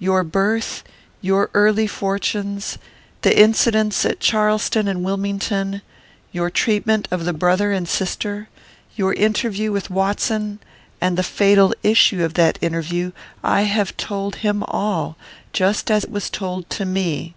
Your birth; your early fortunes; the incidents at Charleston and Wilmington; your treatment of the brother and sister; your interview with Watson, and the fatal issue of that interview I have told him all, just as it was told to me."